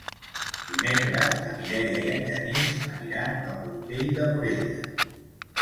Dimecres na Mireia i en Genís aniran a Portell de Morella.